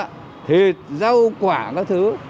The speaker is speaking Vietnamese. thịt rau quả các thứ